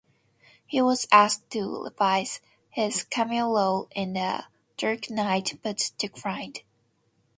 He was asked to reprise his cameo role in "The Dark Knight", but declined.